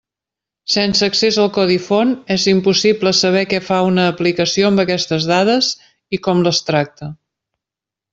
Sense accés al codi font és impossible saber què fa una aplicació amb aquestes dades, i com les tracta.